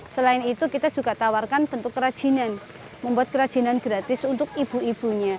selain itu kita juga tawarkan bentuk kerajinan membuat kerajinan gratis untuk ibu ibunya